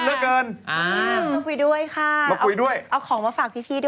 นี่ไง